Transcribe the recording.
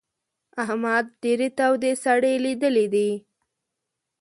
احمد ډېرې تودې سړې ليدلې دي.